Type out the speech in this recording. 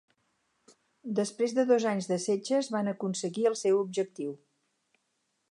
Després de dos anys de setges, va aconseguir el seu objectiu.